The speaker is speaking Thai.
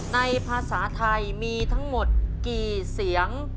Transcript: ภาษาไทยมีทั้งหมดกี่เสียง